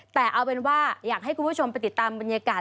แต่เอาเป็นว่าอยากให้คุณผู้ชมไปติดตามบรรยากาศ